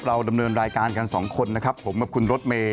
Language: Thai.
ดำเนินรายการกันสองคนนะครับผมกับคุณรถเมย์